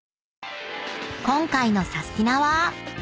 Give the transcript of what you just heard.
［今回の『サスティな！』は］